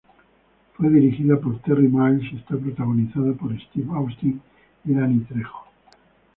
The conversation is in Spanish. Fue dirigida por Terry Miles y está protagonizada por Steve Austin y Danny Trejo.